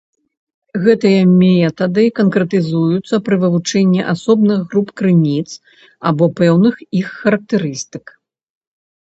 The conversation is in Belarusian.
Гэтыя метады канкрэтызуюцца пры вывучэнні асобных груп крыніц, або пэўных іх характарыстык.